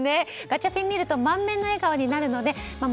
ガチャピンを見ると満面の笑顔になるのでママ